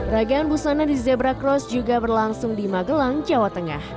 ragaan busana di zebra cross juga berlangsung di magelang jawa tengah